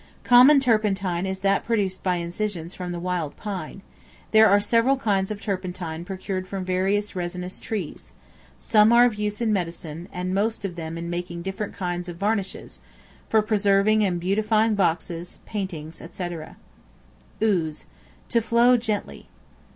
Common turpentine is that procured by incisions from the wild pine; there are several kinds of turpentine procured from various resinous trees; some are of use in medicine, and most of them in making different kinds of varnishes, for preserving and beautifying boxes, paintings, &c. Ooze, to flow gently.